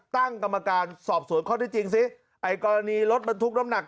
ตั้งกรรมการสอบสวนข้อที่จริงซิไอ้กรณีรถบรรทุกน้ำหนัก